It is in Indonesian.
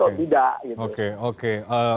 atau tidak oke oke